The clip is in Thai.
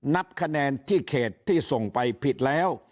นับคะแนนที่เขตที่ส่งไปผิดแล้ว